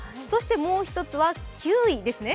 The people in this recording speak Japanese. もう一つは９位ですね。